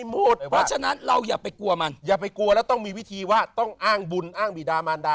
มันไปหมดมันไปหมด